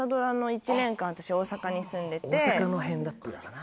大阪の辺だったんだな。